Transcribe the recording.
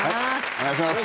お願いします